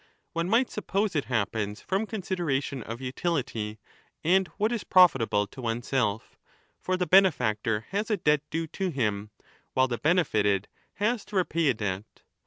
One might suppose it happens from consideration of utility and what is profitable to oneself; for the benefactor has a debt due to him, while the benefited has to repay a debt.